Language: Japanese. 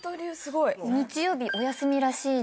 日曜日お休みらしいので。